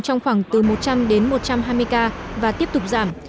trong khoảng từ một trăm linh đến một trăm hai mươi ca và tiếp tục giảm